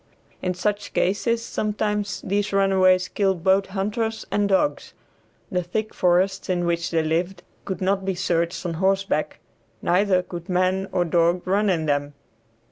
In such cases sometimes these runaways killed both hunters and dogs. The thick forests in which they lived could not be searched on horseback, neither could man or dog run in them.